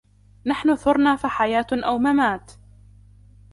نحن ثرنا فحياة أو ممات